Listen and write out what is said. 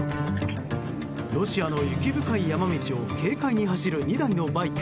ロシアの雪深い山道を軽快に走る２台のバイク。